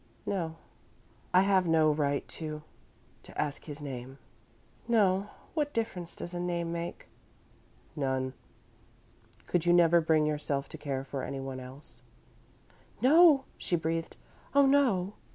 "No." "I have no right to to ask his name." "No. What difference does a name make?" "None. Could you never bring yourself to care for anyone else?" "No," she breathed. "Oh, no!"